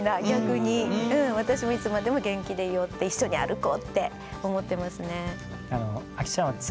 私もいつまでも元気でいようって一緒に歩こうって思ってますね。